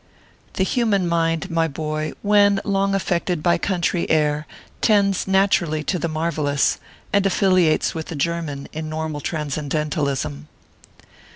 The human mind, my boy, when long affected by country air, tends na turally to the marvellous, and affiliates with the German in normal transcendent alism.